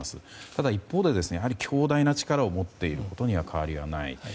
ただ、一方で強大な力を持っていることには変わりはない。